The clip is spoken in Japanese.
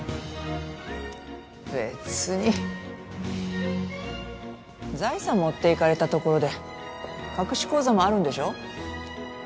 べつに財産持っていかれたところで隠し口座もあるんでしょ？